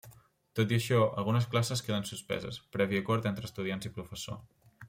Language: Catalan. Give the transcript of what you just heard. Tot i això, algunes classes queden suspeses, previ acord entre estudiants i professor.